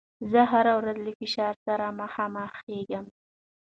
زه هره ورځ له فشار سره مخامخېږم.